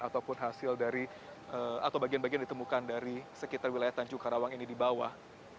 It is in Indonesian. ataupun hasil dari atau bagian bagian yang ditemukan dari sekitar wilayah tanjung karawang ini di bawah